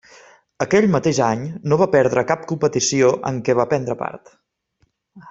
Aquell mateix any no va perdre cap competició en què va prendre part.